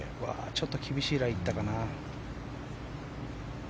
ちょっと厳しいライ行ったかな。